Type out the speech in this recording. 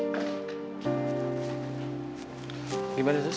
kadang kadang pasien kita